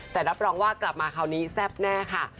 แต่รับรองว่ากลับมาคราวนี้แซ่บแน่ค่ะ